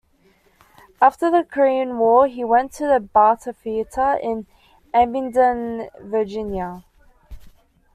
After the Korean War, he went to the Barter Theatre in Abingdon, Virginia.